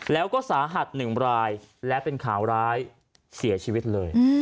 แล้วก็สาหัส๑รายและเป็นข่าวร้ายเสียชีวิตเลย